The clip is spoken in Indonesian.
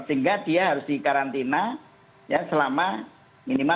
sehingga dia harus dikarantina ya selama tiga empat hari untuk omikron